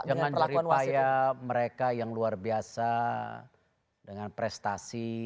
jangan ceritaya mereka yang luar biasa dengan prestasi